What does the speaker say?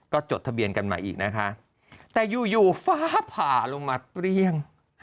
ก็จดทะเบียนกันใหม่อีกนะคะแต่อยู่ฟ้าผ่าลงมาเปลี่ยน